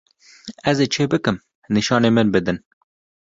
Ez ê çi bikim nîşanî min bidin.